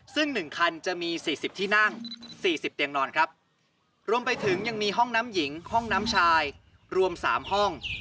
ซึ่ง๑คันจะมีสี่สิบที่นั่ง๔๐เตียงนอนครับรวมไปถึงยังมีห้องน้ำหญิงห้องน้ำชายรวม๓ห้อง